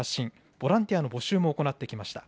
ボランティアの募集も行ってきました。